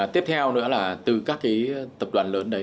tiếp theo nữa là từ các cái tập đoàn lớn đấy